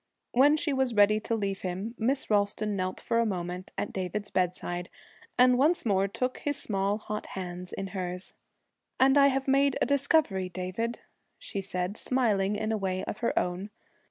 When she was ready to leave him, Miss Ralston knelt for a moment at David's bedside, and once more took his small hot hands in hers. 'And I have made a discovery, David,' she said, smiling in a way of her own.